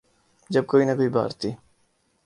جب کوئی نہ کوئی بھارتی